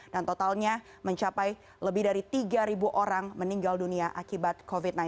dan totalnya mencapai lebih dari tiga orang meninggal dunia akibat covid sembilan belas